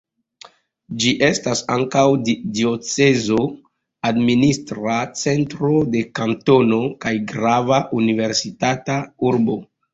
Ĝi estas ankaŭ diocezo, administra centro de kantono kaj grava universitata urbo.